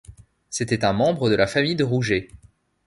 C'était un membre de la famille de Rougé.